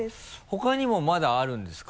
他にもまだあるんですか？